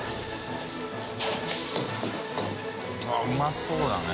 Δ錣うまそうだね。